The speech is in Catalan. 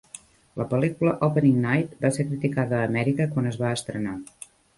La pel·lícula "Opening Night" va ser criticada a Amèrica quan es va estrenar.